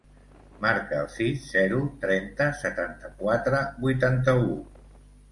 Marca el sis, zero, trenta, setanta-quatre, vuitanta-u.